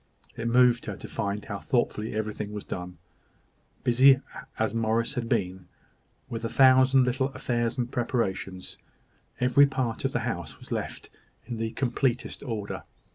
It moved her to find how thoughtfully everything was done. Busy as Morris had been with a thousand little affairs and preparations, every part of the house was left in the completest order.